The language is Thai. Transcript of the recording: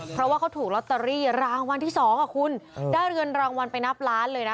เพราะว่าเขาถูกลอตเตอรี่รางวัลที่สองอ่ะคุณได้เงินรางวัลไปนับล้านเลยนะ